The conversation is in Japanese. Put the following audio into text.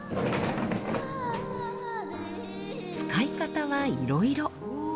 使い方はいろいろ。